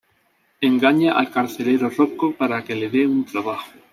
Engaña al carcelero Rocco para que le de un trabajo.